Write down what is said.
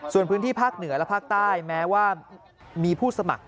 ส่วนพื้นที่ภาคเหนือและภาคใต้แม้ว่ามีผู้สมัคร